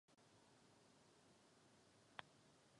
Ten jí daruje anděly.